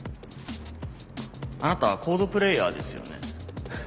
あなたＣＯＤＥプレイヤーですよね？